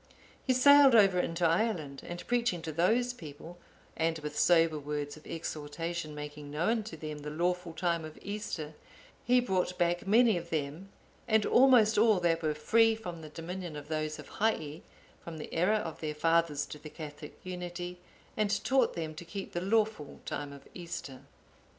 He sailed over into Ireland,(856) and preaching to those people, and with sober words of exhortation making known to them the lawful time of Easter, he brought back many of them, and almost all that were free from the dominion of those of Hii, from the error of their fathers to the Catholic unity, and taught them to keep the lawful time of Easter.